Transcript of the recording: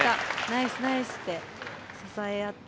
ナイスナイスって支え合って。